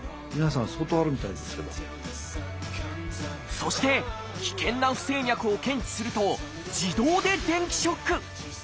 そして危険な不整脈を検知すると自動で電気ショック。